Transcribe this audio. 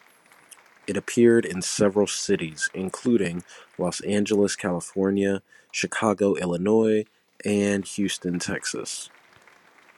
It appeared in several cities including Los Angeles, California; Chicago, Illinois; and Houston, Texas.